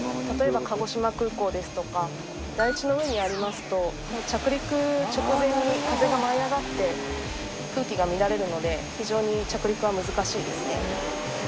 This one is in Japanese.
例えば鹿児島空港ですとか、台地の上にありますと、着陸直前に風が舞い上がって、空気が乱れるので、非常に着陸は難しいですね。